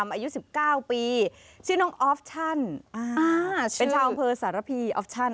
อายุสิบเก้าปีชื่อน้องออฟชั่นอ่าชื่อเป็นชาวอังเภอสารพีออฟชั่น